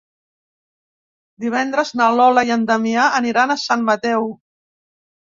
Divendres na Lola i en Damià aniran a Sant Mateu.